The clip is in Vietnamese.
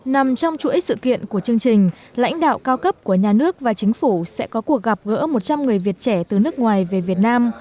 nằm trong chuỗi sự kiện của chương trình lãnh đạo cao cấp của nhà nước và chính phủ sẽ có cuộc gặp gỡ một trăm linh người việt trẻ từ nước ngoài về việt nam